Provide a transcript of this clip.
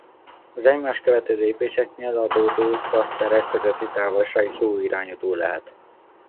Az egymást követő lépéseknél adódó klaszterek közötti távolság jó irányadó lehet.